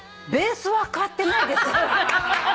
ベースは変わってないです」